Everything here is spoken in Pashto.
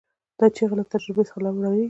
دا چیغه له تجربې څخه راولاړېږي.